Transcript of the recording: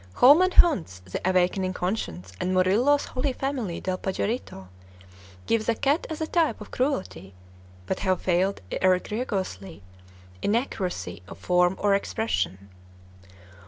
Holman Hunt's "The Awakening Conscience" and Murillo's Holy Family "del Pajarito" give the cat as a type of cruelty, but have failed egregiously in accuracy of form or expression.